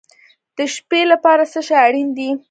د شپې لپاره څه شی اړین دی؟